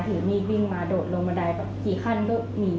ถือมีดวิ่งมาโดดลงบันไดแบบกี่ขั้นก็หนี